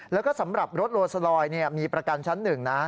แล้วก็สำหรับรถโลซาลอยมีประกันชั้นหนึ่งนะ